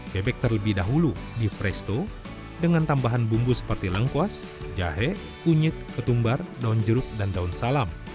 bebek terlebih dahulu di presto dengan tambahan bumbu seperti lengkuas jahe kunyit ketumbar daun jeruk dan daun salam